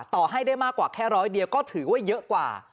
ต่อให้ได้มากกว่าแค่ร้อยเดียวก็ถือว่าเยอะกว่า